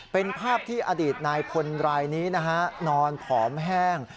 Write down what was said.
เป็นภาพที่อดีตนายพลรายนี้นะฮะนอนผอมแห้ง